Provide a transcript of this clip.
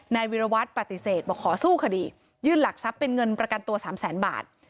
นายวิรวัตรปฏิเสธบอกขอสู้คดียื่นหลักทรัพย์เป็นเงินประกันตัวสามแสนบาท